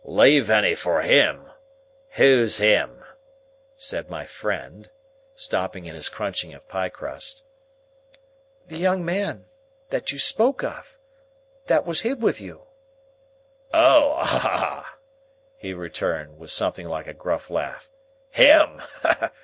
"Leave any for him? Who's him?" said my friend, stopping in his crunching of pie crust. "The young man. That you spoke of. That was hid with you." "Oh ah!" he returned, with something like a gruff laugh. "Him?